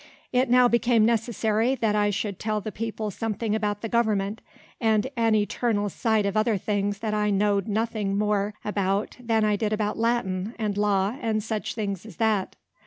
It now became necessary that I should tell the people something about the government, and an eternal sight of other things that I knowed nothing more about than I did about Latin, and law, and such things as that.